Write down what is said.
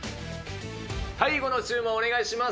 最後の注文お願いします。